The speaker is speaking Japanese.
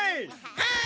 はい！